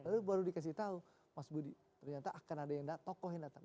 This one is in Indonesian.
lalu baru dikasih tahu mas budi ternyata akan ada tokoh yang datang